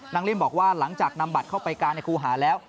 ลิ่มบอกว่าหลังจากนำบัตรเข้าไปการในครูหาแล้ว